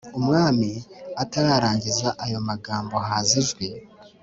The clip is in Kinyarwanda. Umwami atararangiza ayo magambo haza ijwi